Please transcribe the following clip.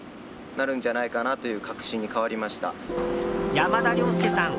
山田涼介さん